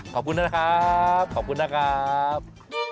ขอบคุณนะครับขอบคุณนะครับ